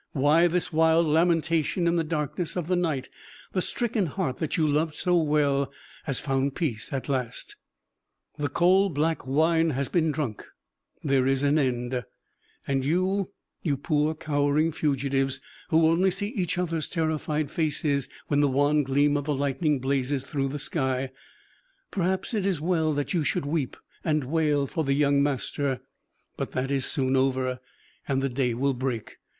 Why this wild lamentation in the darkness of the night? The stricken heart that you loved so well has found peace at last; the coal black wine has been drunk: there is an end! And you, you poor, cowering fugitives, who only see each other's terrified faces when the wan gleam of the lightning blazes through the sky, perhaps it is well that you should weep and wail for the young master; but that is soon over, and the day will break.